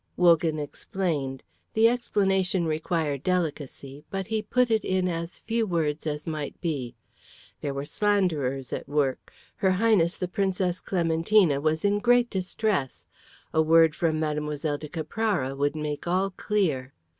Wogan explained. The explanation required delicacy, but he put it in as few words as might be. There were slanderers at work. Her Highness the Princess Clementina was in great distress; a word from Mlle. de Caprara would make all clear.